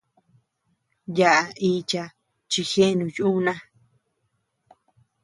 Yaʼa icha chi jeanu yuuna.